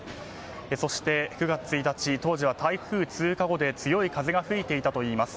そして、９月１日当時は台風通過後で強い風が吹いていたといいます。